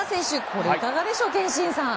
これ、いかがでしょう憲伸さん。